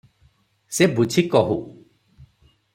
ସେ ବୁଝି କହୁ ।